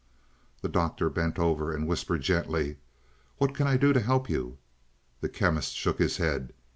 The Doctor bent over and whispered gently, "What can I do to help you?" The Chemist shook his head.